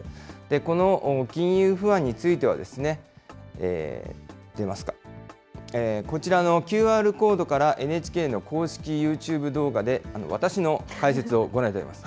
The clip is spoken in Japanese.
この金融不安については、出ますか、こちらのＱＲコードからＮＨＫの公式ユーチューブ動画で、私の解説をご覧いただけます。